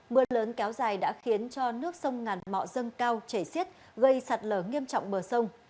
mưa lớn kéo dài đã khiến cho nước sông ngàn mọ dâng cao chảy xiết gây sạt lở nghiêm trọng bờ sông